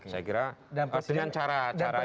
saya kira dengan cara yang lain